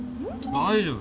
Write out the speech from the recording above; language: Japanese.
大丈夫。